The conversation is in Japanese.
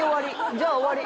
じゃあ終わり